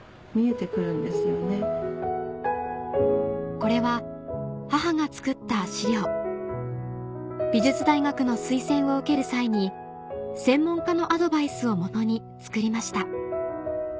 これは母が作った資料美術大学の推薦を受ける際に専門家のアドバイスを基に作りました